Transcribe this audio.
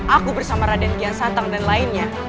aku bersama raden giansantang dan lainnya